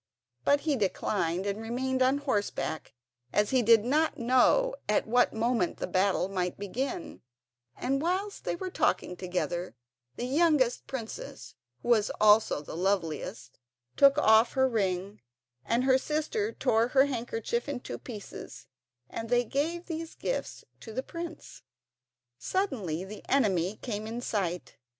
But he declined, and remained on horseback, as he did not know at what moment the battle might begin; and whilst they were all talking together the youngest princess, who was also the loveliest, took off her ring, and her sister tore her handkerchief in two pieces, and they gave these gifts to the prince. Suddenly the enemy came in sight.